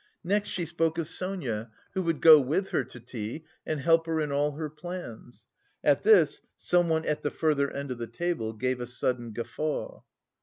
Next she spoke of Sonia who would go with her to T and help her in all her plans. At this someone at the further end of the table gave a sudden guffaw.